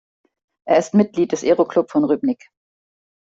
Er ist Mitglied des Aeroklub von Rybnik.